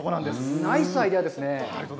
ナイスアイデアですね。